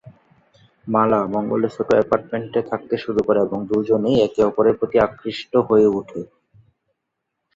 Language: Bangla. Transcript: মালা মঙ্গলের ছোট অ্যাপার্টমেন্টে থাকতে শুরু করে এবং দুজনেই একে অপরের প্রতি আকৃষ্ট হয়ে ওঠে।